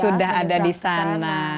sudah ada di sana